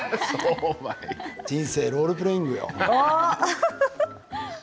人生ロールプレーイングよ。